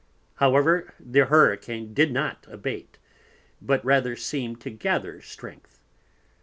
However the Hurricane did not abate, but rather seemed to gather Strength.